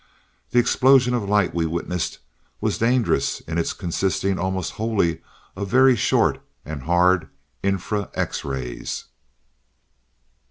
The explosion of light, we witnessed, was dangerous in its consisting almost wholly of very short and hard infra X rays."